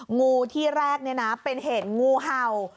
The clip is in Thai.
งูที่แรกเนี่ยนะเป็นเหตุงูเห่า